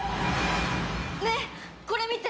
ねえこれ見て！